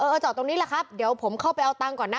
จอดตรงนี้แหละครับเดี๋ยวผมเข้าไปเอาตังค์ก่อนนะ